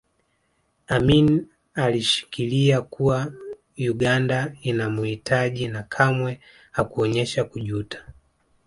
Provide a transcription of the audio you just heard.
Amin alishikilia kuwa Uganda inamuhitaji na kamwe hakuonyesha kujuta